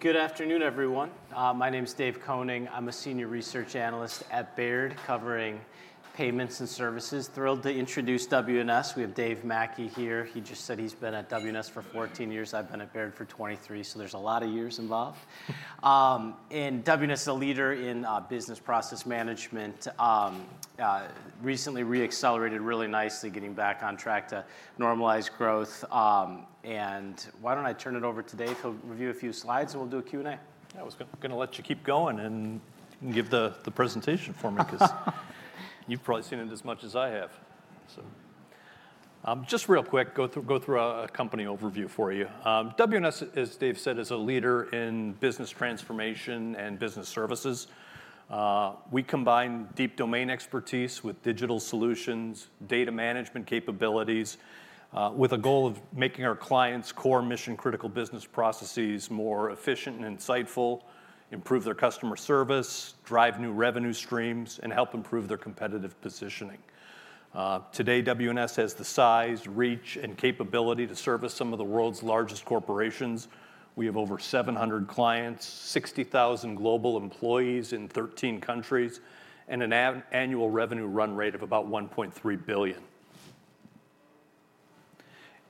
Good afternoon, everyone. My name is Dave Koenig. I'm a senior research analyst at Baird covering payments and services. Thrilled to introduce WNS. We have David Mackey here. He just said he's been at WNS for 14 years. I've been at Baird for 23, so there's a lot of years involved. WNS is a leader in business process management. Recently re-accelerated really nicely, getting back on track to normalize growth. Why don't I turn it over to David? He'll review a few slides, and we'll do a Q&A. Yeah, I was going to let you keep going and give the presentation for me because you've probably seen it as much as I have. Just real quick, go through a company overview for you. WNS, as Dave said, is a leader in business transformation and business services. We combine deep domain expertise with digital solutions, data management capabilities, with a goal of making our clients' core mission-critical business processes more efficient and insightful, improve their customer service, drive new revenue streams, and help improve their competitive positioning. Today, WNS has the size, reach, and capability to service some of the world's largest corporations. We have over 700 clients, 60,000 global employees in 13 countries, and an annual revenue run rate of about $1.3 billion.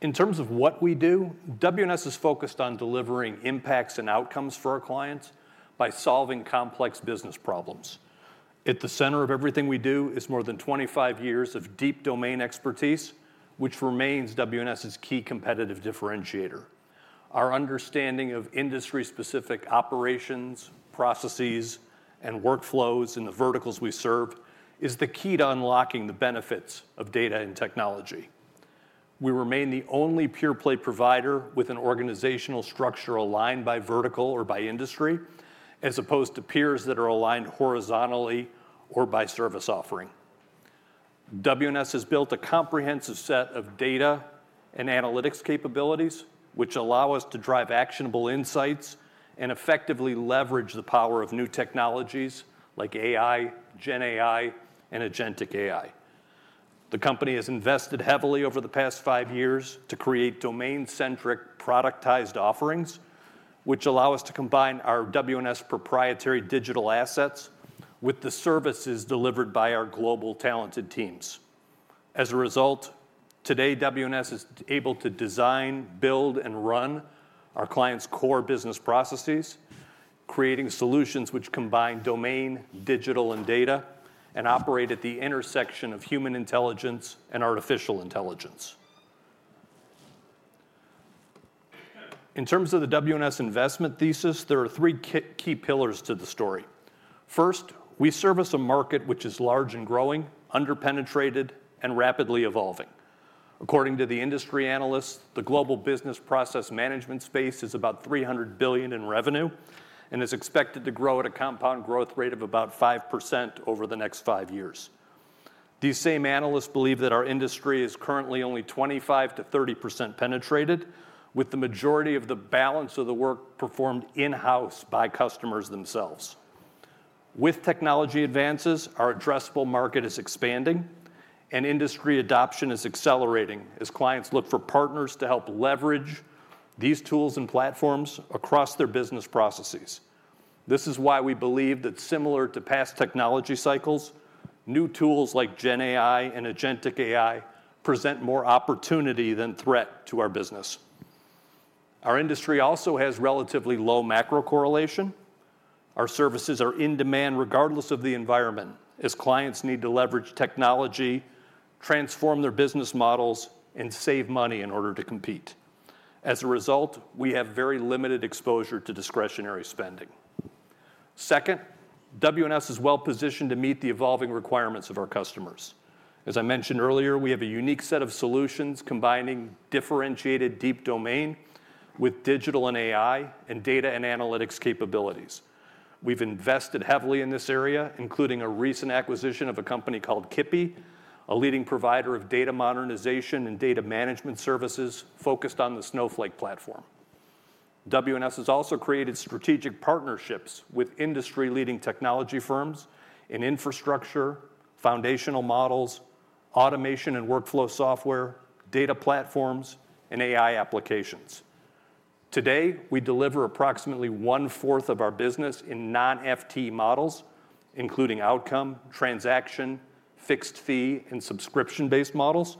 In terms of what we do, WNS is focused on delivering impacts and outcomes for our clients by solving complex business problems. At the center of everything we do is more than 25 years of deep domain expertise, which remains WNS's key competitive differentiator. Our understanding of industry-specific operations, processes, and workflows in the verticals we serve is the key to unlocking the benefits of data and technology. We remain the only pure-play provider with an organizational structure aligned by vertical or by industry, as opposed to peers that are aligned horizontally or by service offering. WNS has built a comprehensive set of data and analytics capabilities, which allow us to drive actionable insights and effectively leverage the power of new technologies like AI, GenAI, and agentic AI. The company has invested heavily over the past five years to create domain-centric productized offerings, which allow us to combine our WNS proprietary digital assets with the services delivered by our global talented teams. As a result, today, WNS is able to design, build, and run our clients' core business processes, creating solutions which combine domain, digital, and data, and operate at the intersection of human intelligence and artificial intelligence. In terms of the WNS investment thesis, there are three key pillars to the story. First, we service a market which is large and growing, under-penetrated, and rapidly evolving. According to the industry analysts, the global business process management space is about $300 billion in revenue and is expected to grow at a compound growth rate of about 5% over the next five years. These same analysts believe that our industry is currently only 25%-30% penetrated, with the majority of the balance of the work performed in-house by customers themselves. With technology advances, our addressable market is expanding, and industry adoption is accelerating as clients look for partners to help leverage these tools and platforms across their business processes. This is why we believe that, similar to past technology cycles, new tools like GenAI and agentic AI present more opportunity than threat to our business. Our industry also has relatively low macro correlation. Our services are in demand regardless of the environment, as clients need to leverage technology, transform their business models, and save money in order to compete. As a result, we have very limited exposure to discretionary spending. Second, WNS is well-positioned to meet the evolving requirements of our customers. As I mentioned earlier, we have a unique set of solutions combining differentiated deep domain with digital and AI and data and analytics capabilities. We've invested heavily in this area, including a recent acquisition of a company called Kippy, a leading provider of data modernization and data management services focused on the Snowflake platform. WNS has also created strategic partnerships with industry-leading technology firms in infrastructure, foundational models, automation and workflow software, data platforms, and AI applications. Today, we deliver approximately one-fourth of our business in non-FT models, including outcome, transaction, fixed fee, and subscription-based models.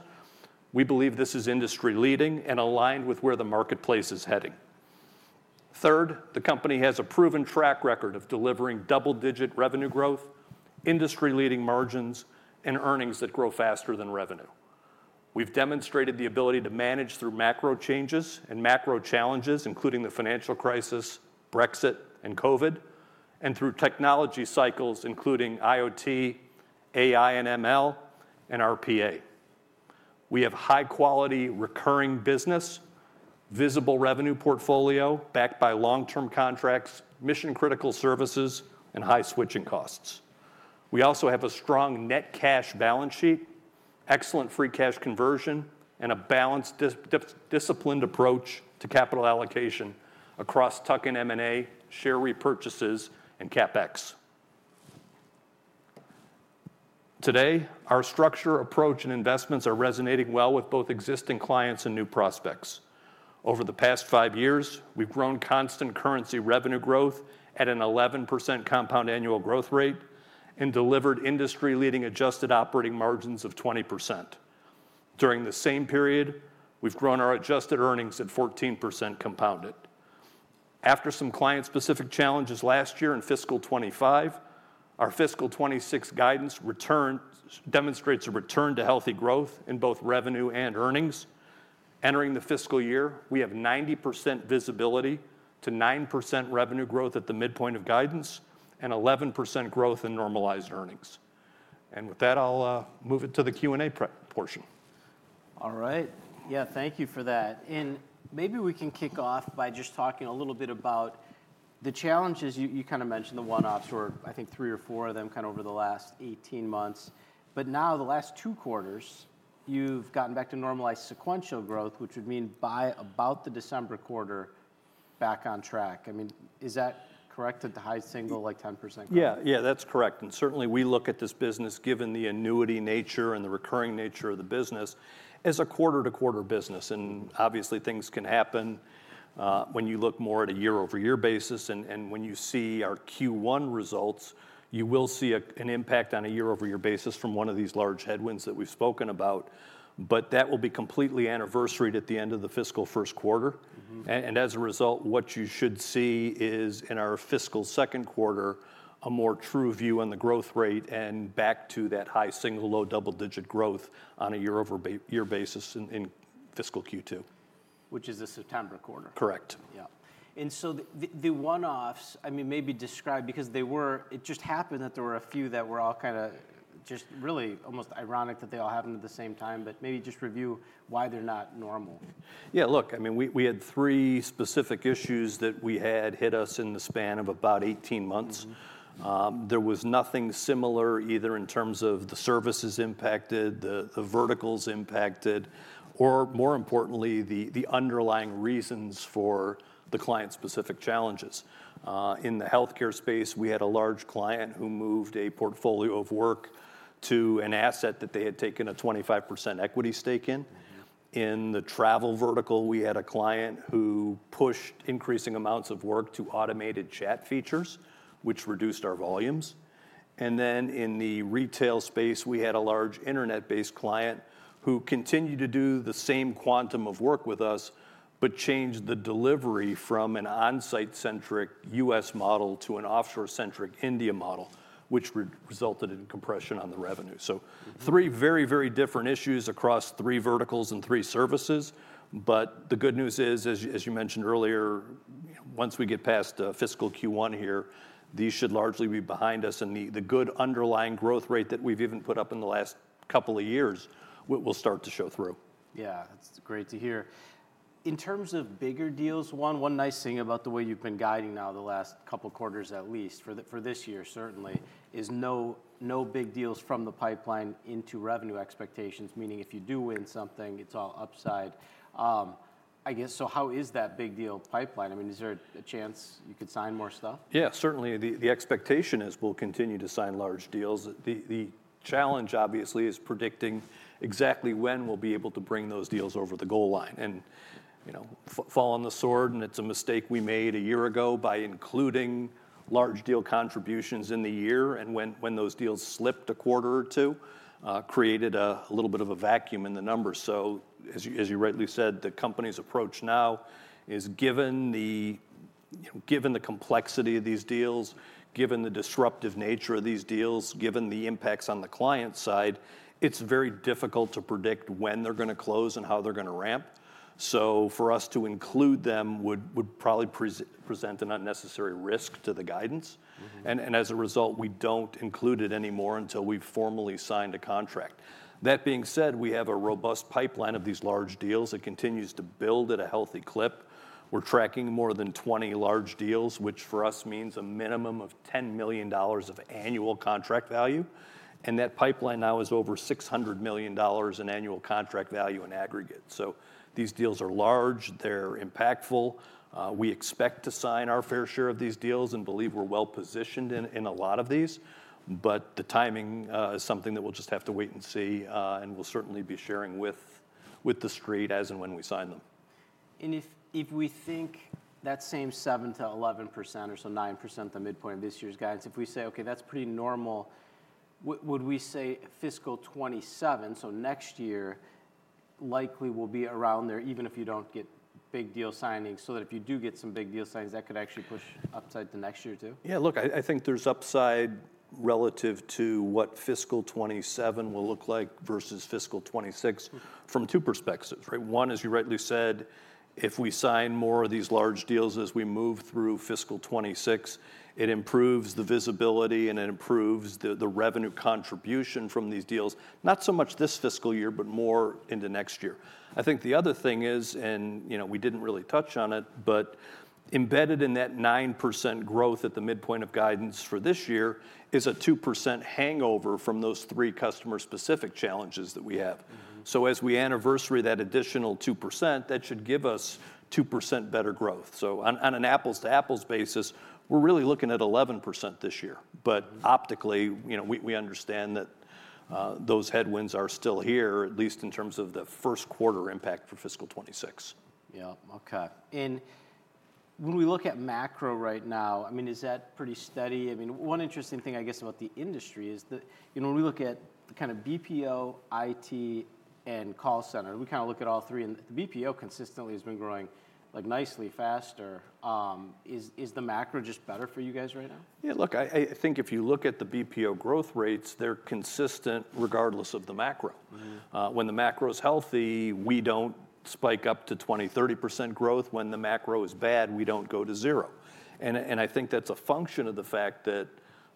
We believe this is industry-leading and aligned with where the marketplace is heading. Third, the company has a proven track record of delivering double-digit revenue growth, industry-leading margins, and earnings that grow faster than revenue. We've demonstrated the ability to manage through macro changes and macro challenges, including the financial crisis, Brexit, and COVID, and through technology cycles, including IoT, AI and ML, and RPA. We have high-quality recurring business, visible revenue portfolio backed by long-term contracts, mission-critical services, and high switching costs. We also have a strong net cash balance sheet, excellent free cash conversion, and a balanced, disciplined approach to capital allocation across tuck-in M&A, share repurchases, and CapEx. Today, our structure, approach, and investments are resonating well with both existing clients and new prospects. Over the past five years, we've grown constant currency revenue growth at an 11% compound annual growth rate and delivered industry-leading adjusted operating margins of 20%. During the same period, we've grown our adjusted earnings at 14% compounded. After some client-specific challenges last year in fiscal 2025, our fiscal 2026 guidance demonstrates a return to healthy growth in both revenue and earnings. Entering the fiscal year, we have 90% visibility to 9% revenue growth at the midpoint of guidance and 11% growth in normalized earnings. With that, I'll move it to the Q&A portion. All right. Yeah, thank you for that. Maybe we can kick off by just talking a little bit about the challenges. You kind of mentioned the one-offs were, I think, three or four of them kind of over the last 18 months. Now, the last two quarters, you've gotten back to normalized sequential growth, which would mean by about the December quarter, back on track. I mean, is that correct? The high single, like 10% growth? Yeah, yeah, that's correct. Certainly, we look at this business, given the annuity nature and the recurring nature of the business, as a quarter-to-quarter business. Obviously, things can happen when you look more at a year-over-year basis. When you see our Q1 results, you will see an impact on a year-over-year basis from one of these large headwinds that we've spoken about. That will be completely anniversary at the end of the fiscal first quarter. As a result, what you should see is, in our fiscal second quarter, a more true view on the growth rate and back to that high single, low double-digit growth on a year-over-year basis in fiscal Q2. Which is the September quarter. Correct. Yeah. And so the one-offs, I mean, maybe describe because they were, it just happened that there were a few that were all kind of just really almost ironic that they all happened at the same time. But maybe just review why they're not normal? Yeah, look, I mean, we had three specific issues that we had hit us in the span of about 18 months. There was nothing similar, either in terms of the services impacted, the verticals impacted, or more importantly, the underlying reasons for the client-specific challenges. In the healthcare space, we had a large client who moved a portfolio of work to an asset that they had taken a 25% equity stake in. In the travel vertical, we had a client who pushed increasing amounts of work to automated chat features, which reduced our volumes. In the retail space, we had a large internet-based client who continued to do the same quantum of work with us but changed the delivery from an on-site-centric US model to an offshore-centric India model, which resulted in compression on the revenue. Three very, very different issues across three verticals and three services. The good news is, as you mentioned earlier, once we get past fiscal Q1 here, these should largely be behind us. The good underlying growth rate that we've even put up in the last couple of years will start to show through. Yeah, that's great to hear. In terms of bigger deals, one nice thing about the way you've been guiding now the last couple of quarters, at least for this year, certainly, is no big deals from the pipeline into revenue expectations, meaning if you do win something, it's all upside. I guess, how is that big deal pipeline? I mean, is there a chance you could sign more stuff? Yeah, certainly. The expectation is we'll continue to sign large deals. The challenge, obviously, is predicting exactly when we'll be able to bring those deals over the goal line. I fall on the sword, and it's a mistake we made a year ago by including large deal contributions in the year. When those deals slipped a quarter or two, it created a little bit of a vacuum in the numbers. As you rightly said, the company's approach now is, given the complexity of these deals, given the disruptive nature of these deals, given the impacts on the client side, it's very difficult to predict when they're going to close and how they're going to ramp. For us to include them would probably present an unnecessary risk to the guidance. As a result, we don't include it anymore until we've formally signed a contract. That being said, we have a robust pipeline of these large deals. It continues to build at a healthy clip. We're tracking more than 20 large deals, which for us means a minimum of $10 million of annual contract value. That pipeline now is over $600 million in annual contract value in aggregate. These deals are large. They're impactful. We expect to sign our fair share of these deals and believe we're well-positioned in a lot of these. The timing is something that we'll just have to wait and see. We'll certainly be sharing with the street as and when we sign them. If we think that same 7%-11% or so 9% at the midpoint of this year's guidance, if we say, "Okay, that's pretty normal," would we say fiscal 2027, so next year likely will be around there, even if you don't get big deal signings, so that if you do get some big deal signings, that could actually push upside to next year too? Yeah, look, I think there's upside relative to what fiscal 2027 will look like versus fiscal 2026 from two perspectives. One, as you rightly said, if we sign more of these large deals as we move through fiscal 2026, it improves the visibility and it improves the revenue contribution from these deals, not so much this fiscal year, but more into next year. I think the other thing is, and we didn't really touch on it, but embedded in that 9% growth at the midpoint of guidance for this year is a 2% hangover from those three customer-specific challenges that we have. As we anniversary that additional 2%, that should give us 2% better growth. On an apples-to-apples basis, we're really looking at 11% this year. Optically, we understand that those headwinds are still here, at least in terms of the first quarter impact for fiscal 2026. Yeah, okay. When we look at macro right now, I mean, is that pretty steady? I mean, one interesting thing, I guess, about the industry is that when we look at the kind of BPO, IT, and call center, we kind of look at all three, and the BPO consistently has been growing nicely, faster. Is the macro just better for you guys right now? Yeah, look, I think if you look at the BPO growth rates, they're consistent regardless of the macro. When the macro is healthy, we don't spike up to 20%-30% growth. When the macro is bad, we don't go to zero. I think that's a function of the fact that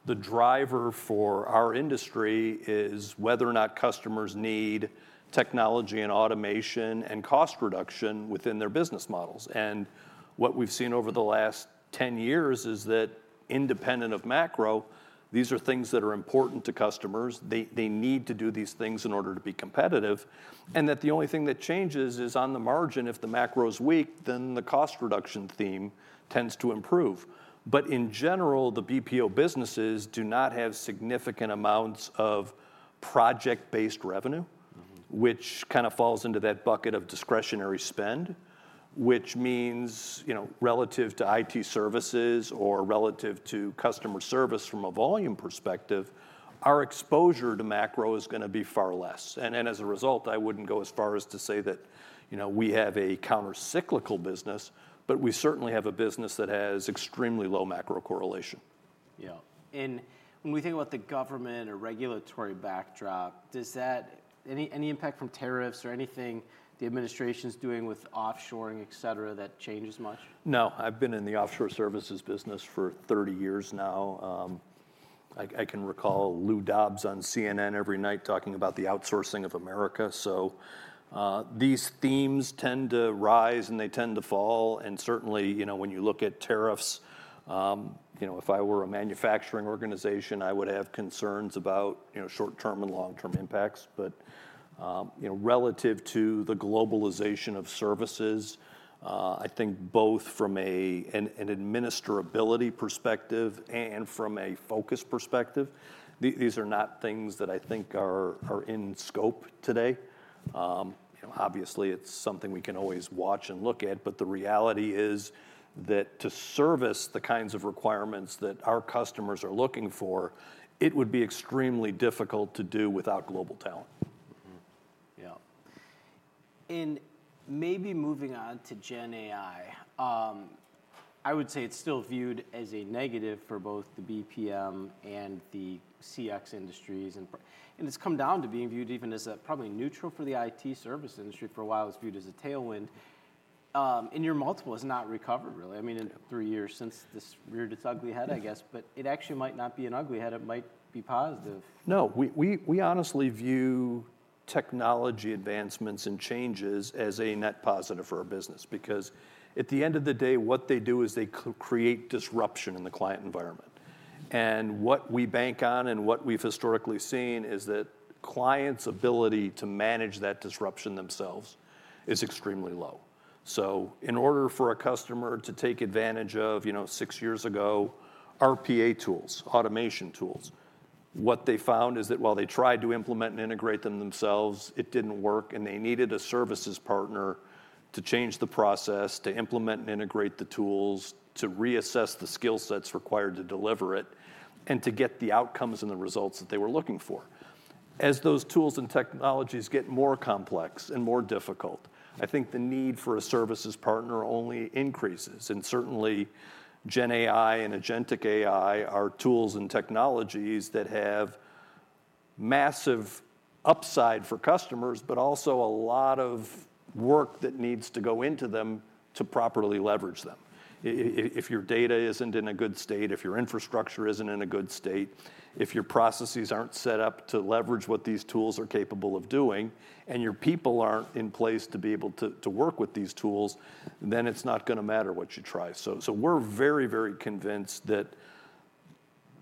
the driver for our industry is whether or not customers need technology and automation and cost reduction within their business models. What we've seen over the last 10 years is that independent of macro, these are things that are important to customers. They need to do these things in order to be competitive. The only thing that changes is on the margin. If the macro is weak, then the cost reduction theme tends to improve. In general, the BPO businesses do not have significant amounts of project-based revenue, which kind of falls into that bucket of discretionary spend, which means relative to IT services or relative to customer service from a volume perspective, our exposure to macro is going to be far less. As a result, I would not go as far as to say that we have a countercyclical business, but we certainly have a business that has extremely low macro correlation. Yeah. And when we think about the government or regulatory backdrop, does that, any impact from tariffs or anything the administration's doing with offshoring, et cetera, that change as much? No, I've been in the offshore services business for 30 years now. I can recall Lou Dobbs on CNN every night talking about the outsourcing of America. These themes tend to rise and they tend to fall. Certainly, when you look at tariffs, if I were a manufacturing organization, I would have concerns about short-term and long-term impacts. Relative to the globalization of services, I think both from an administerability perspective and from a focus perspective, these are not things that I think are in scope today. Obviously, it's something we can always watch and look at. The reality is that to service the kinds of requirements that our customers are looking for, it would be extremely difficult to do without global talent. Yeah. Maybe moving on to GenAI, I would say it's still viewed as a negative for both the BPM and the CX industries. It's come down to being viewed even as probably neutral for the IT service industry. For a while, it was viewed as a tailwind. Your multiple has not recovered, really. I mean, three years since this reared its ugly head, I guess. It actually might not be an ugly head. It might be positive. No, we honestly view technology advancements and changes as a net positive for our business. Because at the end of the day, what they do is they create disruption in the client environment. What we bank on and what we've historically seen is that clients' ability to manage that disruption themselves is extremely low. In order for a customer to take advantage of six years ago, RPA tools, automation tools, what they found is that while they tried to implement and integrate them themselves, it did not work. They needed a services partner to change the process, to implement and integrate the tools, to reassess the skill sets required to deliver it, and to get the outcomes and the results that they were looking for. As those tools and technologies get more complex and more difficult, I think the need for a services partner only increases. Certainly, GenAI and Agentic AI are tools and technologies that have massive upside for customers, but also a lot of work that needs to go into them to properly leverage them. If your data is not in a good state, if your infrastructure is not in a good state, if your processes are not set up to leverage what these tools are capable of doing, and your people are not in place to be able to work with these tools, then it is not going to matter what you try. We are very, very convinced that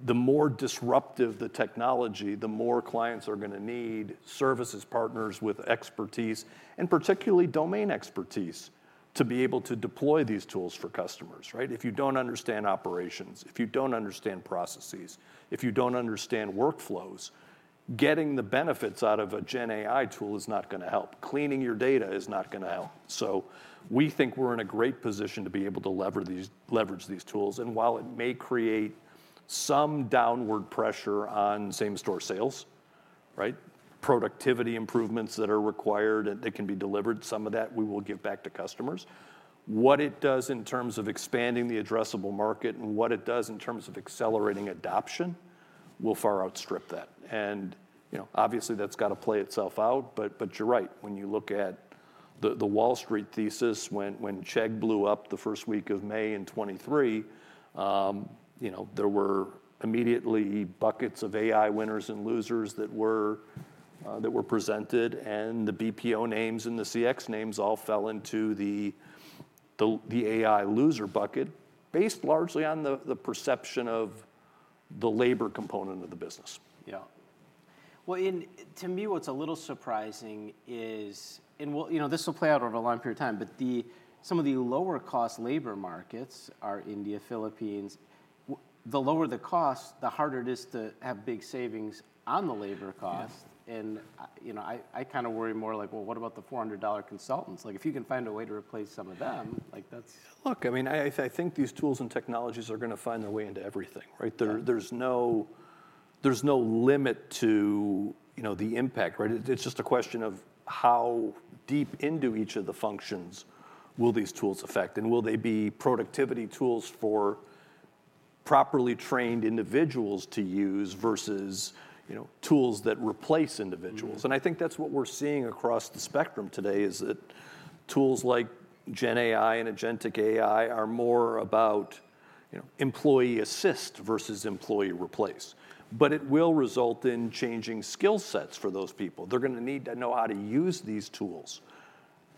the more disruptive the technology, the more clients are going to need services partners with expertise, and particularly domain expertise, to be able to deploy these tools for customers. If you do not understand operations, if you do not understand processes, if you do not understand workflows, getting the benefits out of a GenAI tool is not going to help. Cleaning your data is not going to help. We think we're in a great position to be able to leverage these tools. While it may create some downward pressure on same-store sales, productivity improvements that are required that can be delivered, some of that we will give back to customers. What it does in terms of expanding the addressable market and what it does in terms of accelerating adoption will far outstrip that. Obviously, that's got to play itself out. You're right. When you look at the Wall Street thesis, when Chegg blew up the first week of May in 2023, there were immediately buckets of AI winners and losers that were presented. The BPO names and the CX names all fell into the AI loser bucket, based largely on the perception of the labor component of the business. Yeah. To me, what's a little surprising is, and this will play out over a long period of time, some of the lower-cost labor markets are India, Philippines. The lower the cost, the harder it is to have big savings on the labor cost. I kind of worry more like, what about the $400 consultants? If you can find a way to replace some of them, that's. Look, I mean, I think these tools and technologies are going to find their way into everything. There's no limit to the impact. It's just a question of how deep into each of the functions will these tools affect. Will they be productivity tools for properly trained individuals to use versus tools that replace individuals? I think that's what we're seeing across the spectrum today, is that tools like GenAI and Agentic AI are more about employee assist versus employee replace. It will result in changing skill sets for those people. They're going to need to know how to use these tools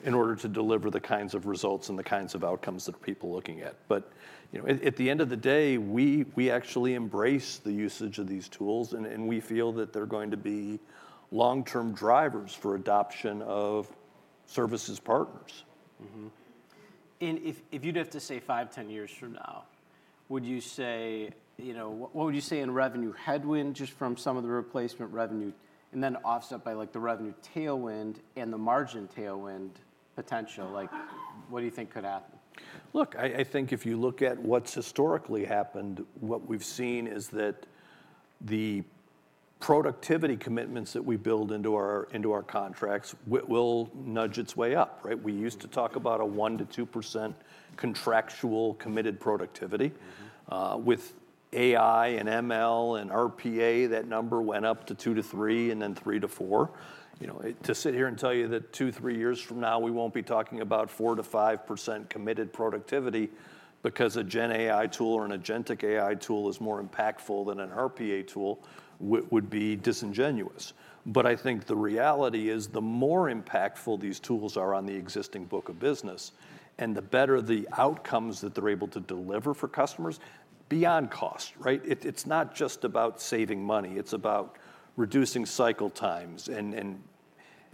in order to deliver the kinds of results and the kinds of outcomes that people are looking at. At the end of the day, we actually embrace the usage of these tools. We feel that they're going to be long-term drivers for adoption of services partners. If you'd have to say five, 10 years from now, what would you say in revenue headwind just from some of the replacement revenue, and then offset by the revenue tailwind and the margin tailwind potential? What do you think could happen? Look, I think if you look at what's historically happened, what we've seen is that the productivity commitments that we build into our contracts will nudge its way up. We used to talk about a 1%-2% contractual committed productivity. With AI and ML and RPA, that number went up to 2%-3% and then 3%-4%. To sit here and tell you that 2%, 3% years from now, we won't be talking about 4%-5% committed productivity because a GenAI tool or an Agentic AI tool is more impactful than an RPA tool would be disingenuous. I think the reality is the more impactful these tools are on the existing book of business and the better the outcomes that they're able to deliver for customers beyond cost. It's not just about saving money. It's about reducing cycle times and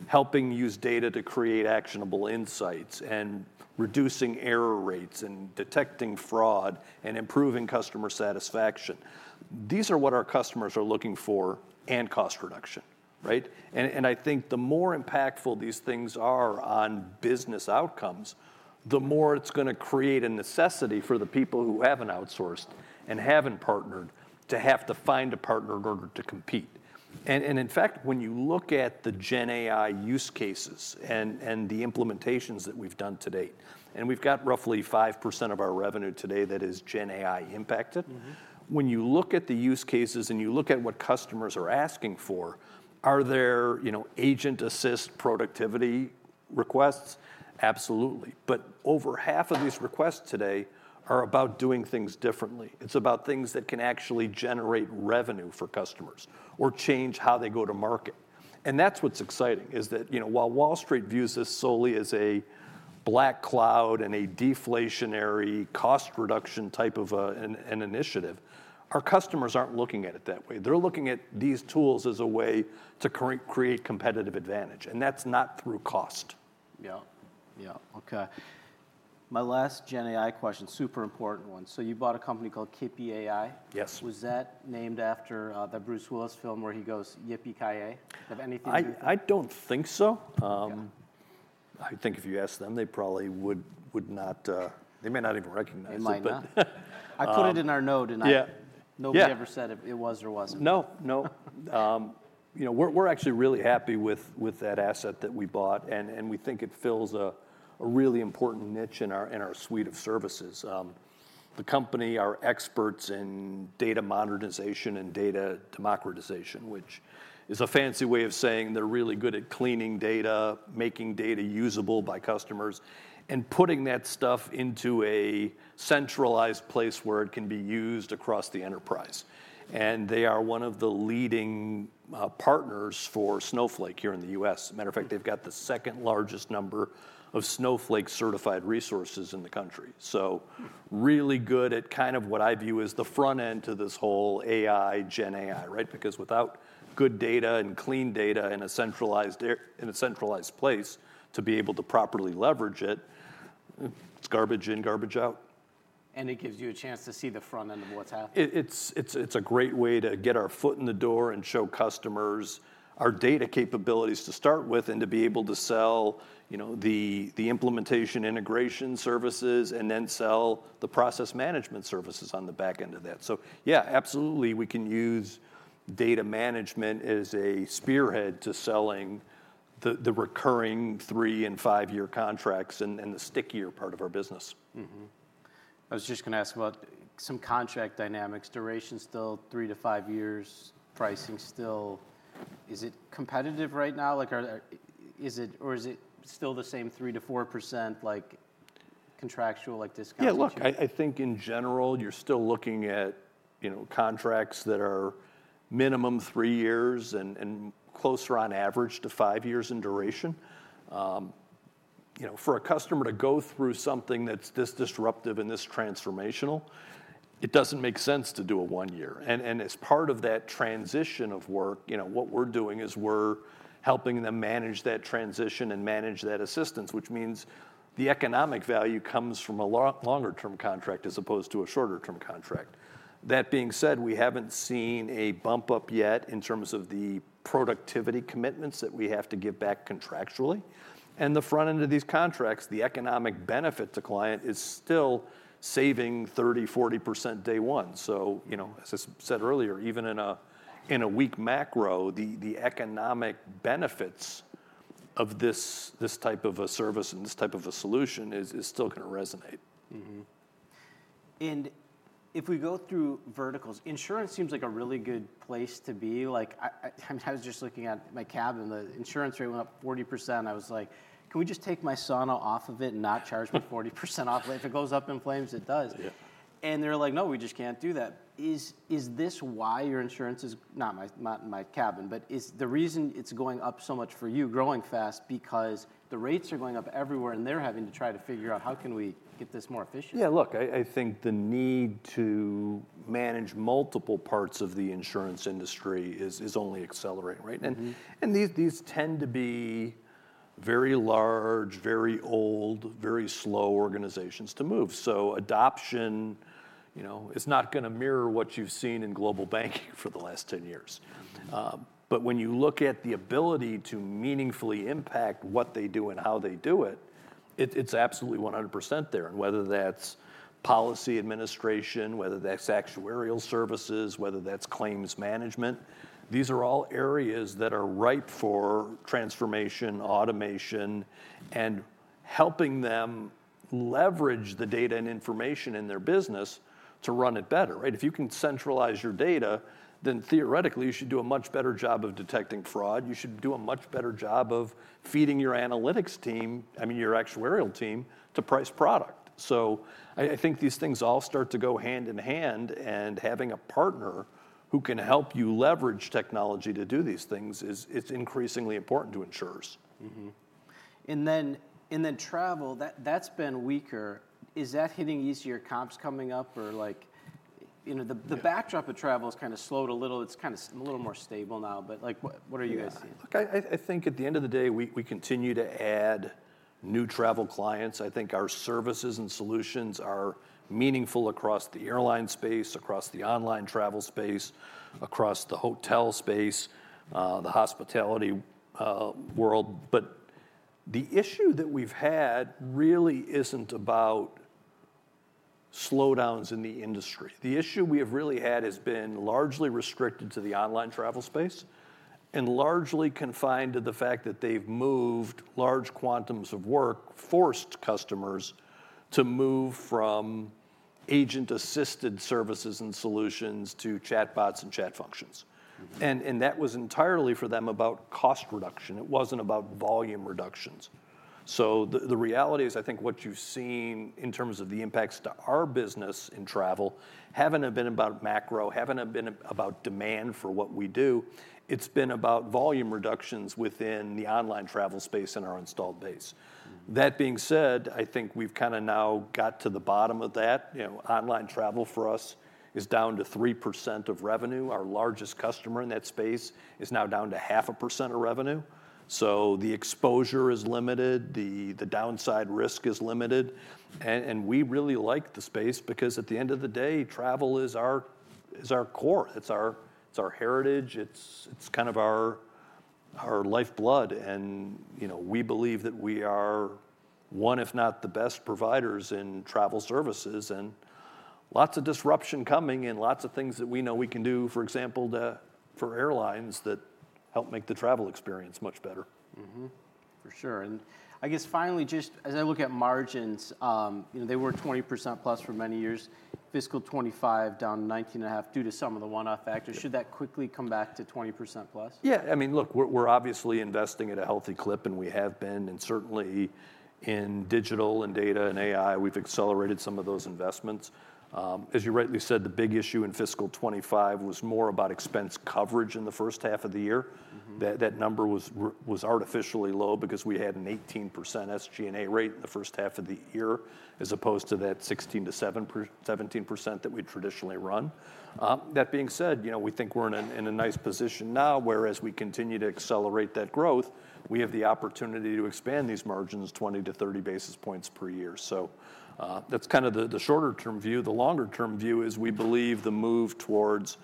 helping use data to create actionable insights and reducing error rates and detecting fraud and improving customer satisfaction. These are what our customers are looking for and cost reduction. I think the more impactful these things are on business outcomes, the more it's going to create a necessity for the people who haven't outsourced and haven't partnered to have to find a partner in order to compete. In fact, when you look at the GenAI use cases and the implementations that we've done to date, and we've got roughly 5% of our revenue today that is GenAI impacted, when you look at the use cases and you look at what customers are asking for, are there agent assist productivity requests? Absolutely. Over half of these requests today are about doing things differently. It's about things that can actually generate revenue for customers or change how they go to market. That's what's exciting, is that while Wall Street views this solely as a black cloud and a deflationary cost reduction type of an initiative, our customers aren't looking at it that way. They're looking at these tools as a way to create competitive advantage. That's not through cost. Yeah, yeah, okay. My last GenAI question, super important one. So you bought a company called Kippy? Yes. Was that named after that Bruce Willis film where he goes, "Yippie-ki-yay"? Do you have anything? I don't think so. I think if you asked them, they probably would not, they may not even recognize it. They might not. I put it in our note and nobody ever said it was or wasn't. No, no. We're actually really happy with that asset that we bought. We think it fills a really important niche in our suite of services. The company are experts in data modernization and data democratization, which is a fancy way of saying they're really good at cleaning data, making data usable by customers, and putting that stuff into a centralized place where it can be used across the enterprise. They are one of the leading partners for Snowflake here in the U.S. As a matter of fact, they've got the second largest number of Snowflake certified resources in the country. Really good at kind of what I view as the front end to this whole AI, GenAI. Because without good data and clean data in a centralized place to be able to properly leverage it, it's garbage in, garbage out. It gives you a chance to see the front end of what's happening. It's a great way to get our foot in the door and show customers our data capabilities to start with and to be able to sell the implementation integration services and then sell the process management services on the back end of that. Yeah, absolutely, we can use data management as a spearhead to selling the recurring three- and five-year contracts and the stickier part of our business. I was just going to ask about some contract dynamics. Duration still three-five years, pricing still, is it competitive right now? Or is it still the same 3%-4% contractual discount? Yeah, look, I think in general, you're still looking at contracts that are minimum three years and closer on average to five years in duration. For a customer to go through something that's this disruptive and this transformational, it doesn't make sense to do a one-year. As part of that transition of work, what we're doing is we're helping them manage that transition and manage that assistance, which means the economic value comes from a longer-term contract as opposed to a shorter-term contract. That being said, we haven't seen a bump up yet in terms of the productivity commitments that we have to give back contractually. In the front end of these contracts, the economic benefit to client is still saving 30%-40% day one. As I said earlier, even in a weak macro, the economic benefits of this type of a service and this type of a solution is still going to resonate. If we go through verticals, insurance seems like a really good place to be. I was just looking at my cabin. The insurance rate went up 40%. I was like, can we just take my sauna off of it and not charge me 40% off? If it goes up in flames, it does. They are like, no, we just can't do that. Is this why your insurance is, not my cabin, but is the reason it's going up so much for you growing fast because the rates are going up everywhere and they are having to try to figure out how can we get this more efficient? Yeah, look, I think the need to manage multiple parts of the insurance industry is only accelerating. These tend to be very large, very old, very slow organizations to move. Adoption is not going to mirror what you've seen in global banking for the last 10 years. When you look at the ability to meaningfully impact what they do and how they do it, it's absolutely 100% there. Whether that's policy administration, whether that's actuarial services, whether that's claims management, these are all areas that are ripe for transformation, automation, and helping them leverage the data and information in their business to run it better. If you can centralize your data, then theoretically, you should do a much better job of detecting fraud. You should do a much better job of feeding your analytics team, I mean, your actuarial team to price product. I think these things all start to go hand in hand. Having a partner who can help you leverage technology to do these things is increasingly important to insurers. Travel, that's been weaker. Is that hitting easier? Comp's coming up or the backdrop of travel has kind of slowed a little. It's kind of a little more stable now. What are you guys seeing? Look, I think at the end of the day, we continue to add new travel clients. I think our services and solutions are meaningful across the airline space, across the online travel space, across the hotel space, the hospitality world. The issue that we've had really isn't about slowdowns in the industry. The issue we have really had has been largely restricted to the online travel space and largely confined to the fact that they've moved large quantums of work, forced customers to move from agent-assisted services and solutions to chatbots and chat functions. That was entirely for them about cost reduction. It wasn't about volume reductions. The reality is, I think what you've seen in terms of the impacts to our business in travel haven't been about macro, haven't been about demand for what we do. It's been about volume reductions within the online travel space and our installed base. That being said, I think we've kind of now got to the bottom of that. Online travel for us is down to 3% of revenue. Our largest customer in that space is now down to 0.5% of revenue. The exposure is limited. The downside risk is limited. We really like the space because at the end of the day, travel is our core. It's our heritage. It's kind of our lifeblood. We believe that we are one, if not the best providers in travel services. Lots of disruption coming and lots of things that we know we can do, for example, for airlines that help make the travel experience much better. For sure. I guess finally, just as I look at margins, they were 20% + for many years, fiscal 2025 down 19.5% due to some of the one-off factors. Should that quickly come back to 20% +? Yeah. I mean, look, we're obviously investing at a healthy clip, and we have been. And certainly in digital and data and AI, we've accelerated some of those investments. As you rightly said, the big issue in fiscal 2025 was more about expense coverage in the first half of the year. That number was artificially low because we had an 18% SG&A rate in the first half of the year as opposed to that 16%-17% that we traditionally run. That being said, we think we're in a nice position now. Whereas we continue to accelerate that growth, we have the opportunity to expand these margins 20-30 basis points per year. So that's kind of the shorter-term view. The longer-term view is we believe the move towards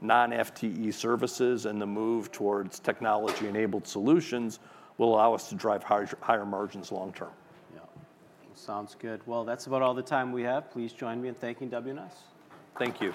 non-FTE services and the move towards technology-enabled solutions will allow us to drive higher margins long-term. Yeah. Sounds good. That's about all the time we have. Please join me in thanking WNS. Thank you.